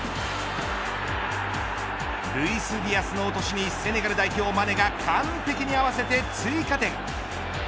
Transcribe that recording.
ルイス・ディアスの落としにセネガル代表マネが完璧に合わせて追加点。